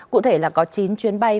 cụ thể là có chín chuyến bay